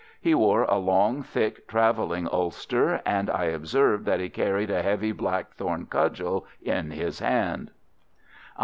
He wore a long, thick travelling ulster, and I observed that he carried a heavy blackthorn cudgel in his hand.